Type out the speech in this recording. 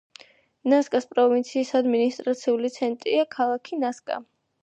ნასკას პროვინციის ადმინისტრაციული ცენტრია ქალაქი ნასკა.